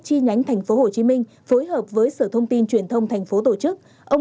chi nhánh tp hcm phối hợp với sở thông tin truyền thông tp tổ chức ông